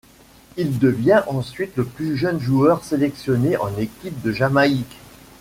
Il devient ensuite le plus jeune joueur sélectionné en équipe de Jamaïque.